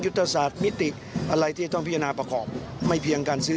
ศาสตร์มิติอะไรที่จะต้องพิจารณาประกอบไม่เพียงการซื้อ